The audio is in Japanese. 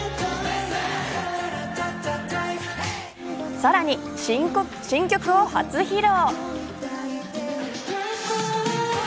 さらに新曲を初披露。